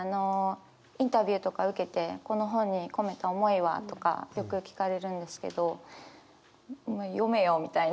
インタビューとか受けて「この本に込めた思いは？」とかよく聞かれるんですけど読めよみたいな。